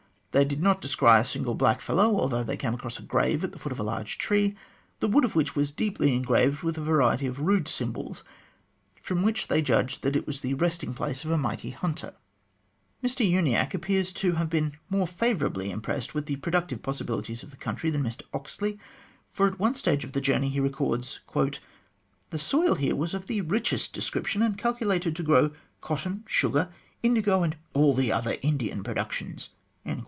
They did not descry a single blackfellow, although they came across a grave at the foot of a large tree, the wood of which was deeply engraved with a variety of rude symbols, from which they judged that it was the resting place of a mighty hunter. Mr Uniacke appears to have been more favourably impressed with the productive possibilities of the country than Mr Oxley, for at one stage of the journey he records :" The soil here was of the richest description, and calculated to grow cotton, sugar, indigo, and all other Indian productions."